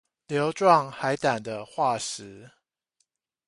瘤狀海膽的化石